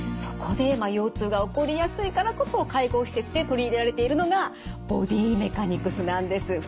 そこで腰痛が起こりやすいからこそ介護施設で取り入れられているのがボディメカニクスなんです。